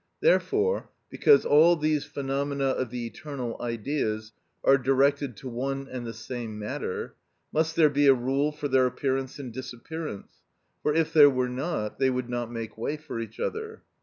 Therefore, because all these phenomena of the eternal Ideas are directed to one and the same matter, must there be a rule for their appearance and disappearance; for if there were not, they would not make way for each other.